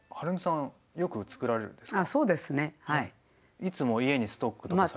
いつも家にストックとかされてる。